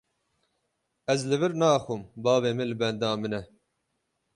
Ez li vir naxwim, bavê min li benda min e.